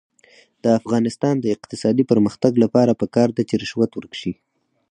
د افغانستان د اقتصادي پرمختګ لپاره پکار ده چې رشوت ورک شي.